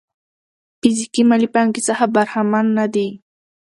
فزيکي مالي پانګې څخه برخمن نه دي.